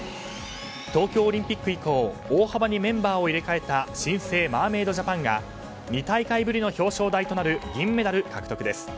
東京オリンピック以降大幅にメンバーを入れ替えた新生マーメイドジャパンが２大会ぶりの表彰台となる銀メダル獲得です。